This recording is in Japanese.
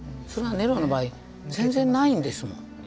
それがネロの場合全然ないんですもん。